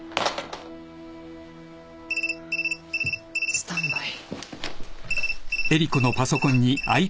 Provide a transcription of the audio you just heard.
スタンバイ。